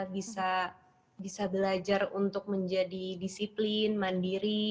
bisa belajar untuk menjadi disiplin mandiri